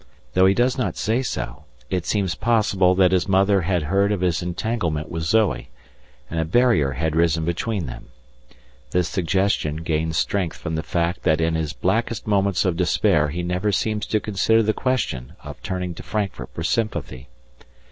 Though he does not say so, it seems possible that his mother had heard of his entanglement with Zoe, and a barrier had risen between them; this suggestion gains strength from the fact that in his blackest moments of despair he never seems to consider the question of turning to Frankfurt for sympathy.